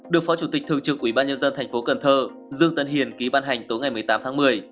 được phó chủ tịch thường trực ủy ban nhân dân thành phố cần thơ dương tân hiền ký ban hành tối ngày một mươi tám tháng một mươi